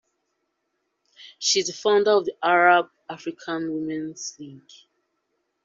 She is founder of the Arab-African Women's League.